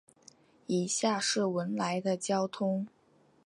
以下是文莱的交通